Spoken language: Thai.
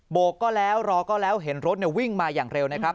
โกกก็แล้วรอก็แล้วเห็นรถวิ่งมาอย่างเร็วนะครับ